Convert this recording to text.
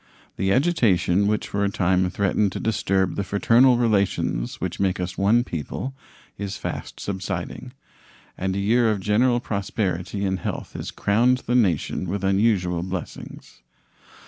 The agitation which for a time threatened to disturb the fraternal relations which make us one people is fast subsiding, and a year of general prosperity and health has crowned the nation with unusual blessings.